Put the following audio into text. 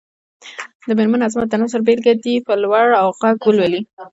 د مېرمن عظمت د نثر بېلګه دې په لوړ غږ ولولي.